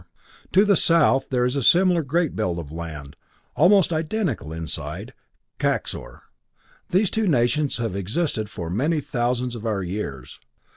To the south there is a similar great belt of land, of almost identical size, Kaxor. These two nations have existed for many thousands of our years.